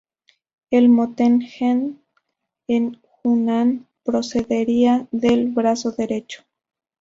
El monte Heng en Hunan procedería del brazo derecho.